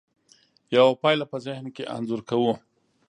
یوه پایله په ذهن کې انځور کوو.